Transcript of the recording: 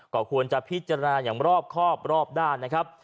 ก็ควรจะพิจารณาอย่างรอบครอบรอบด้านนะครับ